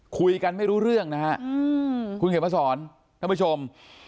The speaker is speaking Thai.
คุยกันไม่รู้เรื่องนะฮะคุณเขียนมาสอนท่านผู้ชม